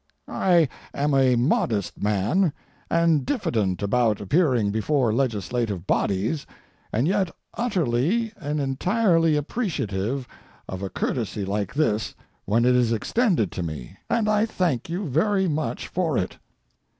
I am a modest man, and diffident about appearing before legislative bodies, and yet utterly and entirely appreciative of a courtesy like this when it is extended to me, and I thank you very much for it.